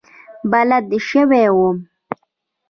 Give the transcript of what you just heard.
بلد شوی وم.